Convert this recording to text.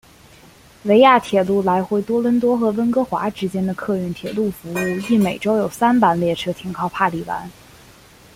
维亚铁路来回多伦多和温哥华之间的客运铁路服务亦每周有三班列车停靠帕里湾。